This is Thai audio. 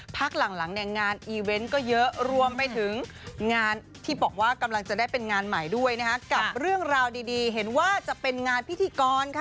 พักหลังเนี่ยงานอีเวนต์ก็เยอะรวมไปถึงงานที่บอกว่ากำลังจะได้เป็นงานใหม่ด้วยนะคะกับเรื่องราวดีเห็นว่าจะเป็นงานพิธีกรค่ะ